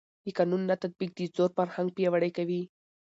د قانون نه تطبیق د زور فرهنګ پیاوړی کوي